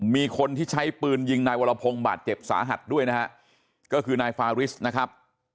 มีคนที่ใช้ปืนยิงนายวรพงศ์บาดเจ็บสาหัสด้วยนะฮะก็คือนายฟาริสนะครับ